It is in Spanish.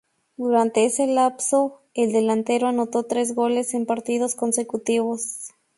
Durante ese lapso, el Delantero anotó tres goles en partidos consecutivos.